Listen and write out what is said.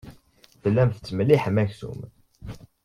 Tellam tettmelliḥem aksum.